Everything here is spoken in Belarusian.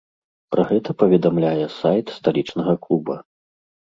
Пра гэта паведамляе сайт сталічнага клуба.